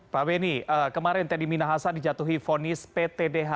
pak benny kemarin teddy minahasa dijatuhi vonis pt dh